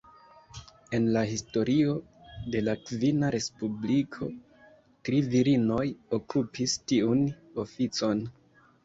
En la historio de la kvina Respubliko, tri virinoj okupis tiun oficon.